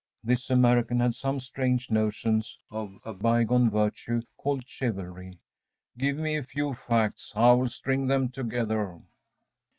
This American had some strange notions of a bygone virtue called chivalry. “Give me a few facts I will string them together.